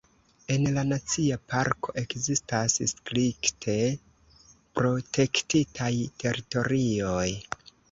En la nacia parko ekzistas strikte protektitaj teritorioj.